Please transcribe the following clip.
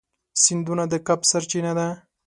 سیندونه د کب سرچینه ده.